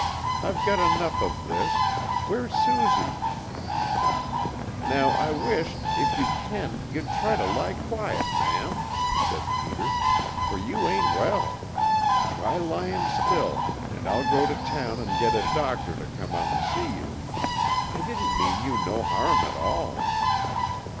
I've got enough of this. Where's Susie?" "Now, I wisht, if you can, you'd try to lie quiet, ma'am," said Peter, "for you ain't well. Try lying still, and I'll go right to town and get a doctor to come out and see you. I didn't mean you no harm at all."